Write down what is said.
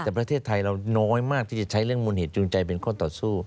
แต่ประเทศไทยเราน้อยมากที่จะใช้เรื่องมูลเหตุจูงใจเป็นข้อต่อสู้